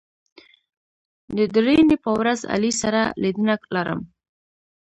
د درېنۍ په ورځ علي سره لیدنه لرم